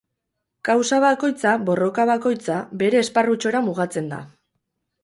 Kausa bakoitza, borroka bakoitza, bere esparrutxora mugatzen da.